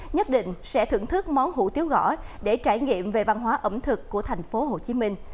nhất định sẽ thưởng thức món hủ tiếu gõ để trải nghiệm về văn hóa ẩm thực của thành phố hồ chí minh